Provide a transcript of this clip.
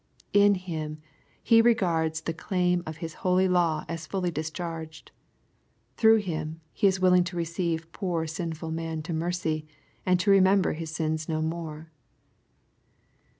In Him, He regards the claim of His holy law as fully discharged. Through Him, He is willing to receive poor sinful man to mercy, and to remember his sins no more.